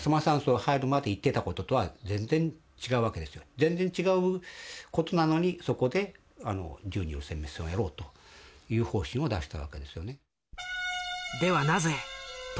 全然違う事なのにそこで銃によるせん滅戦をやろうという方針を出したわけですよね。